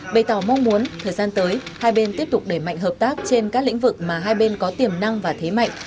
bày tỏ mong muốn thời gian tới hai bên tiếp tục đẩy mạnh hợp tác trên các lĩnh vực mà hai bên có tiềm năng và thế mạnh